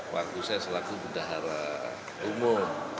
waktu saya selaku buddha hara umum